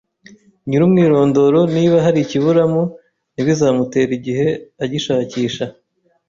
nyiri umwirondoro niba hari ikiburamo ntibizamutere igihe agishakisha